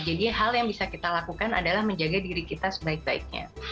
jadi hal yang bisa kita lakukan adalah menjaga diri kita sebaik baiknya